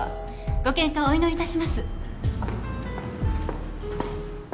ご健闘お祈りいたします。